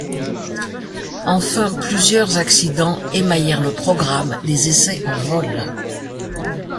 Enfin plusieurs accidents émaillèrent le programme des essais en vol.